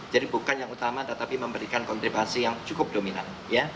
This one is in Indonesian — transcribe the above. jadi bukan yang utama tetapi memberikan kontribusi yang cukup dominan